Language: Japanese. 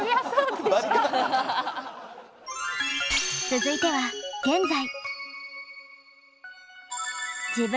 続いては現在。